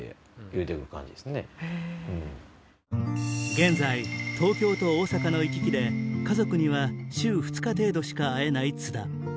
現在東京と大阪の行き来で家族には週２日程度しか会えない津田